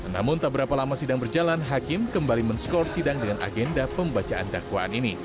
namun tak berapa lama sidang berjalan hakim kembali men score sidang dengan agenda pembacaan dakwaan ini